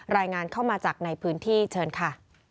รายงานเข้ามาจากในพื้นที่เชิญค่ะ